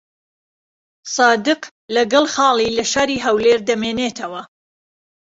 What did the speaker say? سادق لەگەڵ خاڵی لە شاری هەولێر دەمێنێتەوە.